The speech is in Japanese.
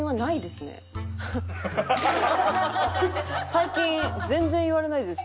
最近全然言われないです。